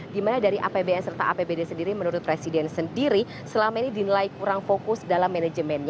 dimana dari apbn serta apbd sendiri menurut presiden sendiri selama ini dinilai kurang fokus dalam manajemennya